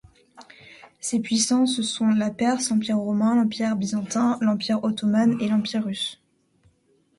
Ces puissances sont la Perse, l'Empire romain, l'Empire byzantin, l'Empire ottoman, et l'Empire russe.